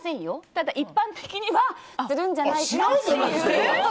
ただ一般的にはするんじゃないかと。